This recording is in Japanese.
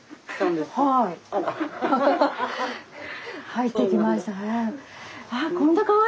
入ってきましたはい。